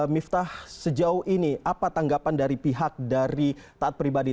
miftah sejauh ini apa tanggapan dari pihak dari taat pribadi